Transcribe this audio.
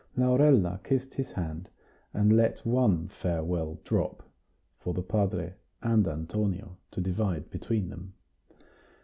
Laurella kissed his hand, and let one farewell drop, for the padre and Antonio to divide between them.